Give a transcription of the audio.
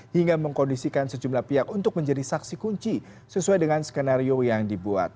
hingga mengkondisikan sejumlah pihak untuk menjadi saksi kunci sesuai dengan skenario yang dibuat